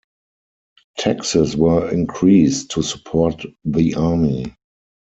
Taxes were increased to support the army.